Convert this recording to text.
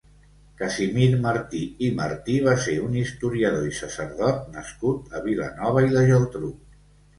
Casimir Martí i Martí va ser un historiador i sacerdot nascut a Vilanova i la Geltrú.